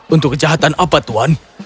untuk kejahatan apa tuan